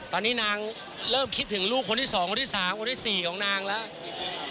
ตอนนี้นางเริ่มคิดถึงลูกคนที่๒คนที่๓คนที่๔ของนางแล้ว